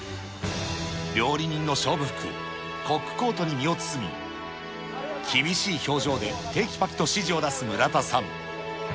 料理人の勝負服、コックコートに身を包み、厳しい表情でてきぱきと指示を出す村田さん。